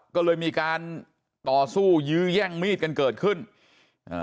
ก็เลยมีการต่อสู้ยื้อแย่งมีดกันเกิดขึ้นอ่า